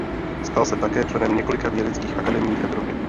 Stal se také členem několika vědeckých akademií v Evropě.